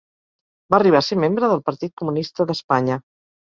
Va arribar a ser membre del Partit Comunista d'Espanya.